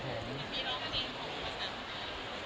มีร้องเพลงของกัมพูชาด้วย